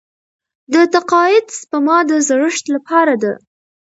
د تقاعد سپما د زړښت لپاره ده.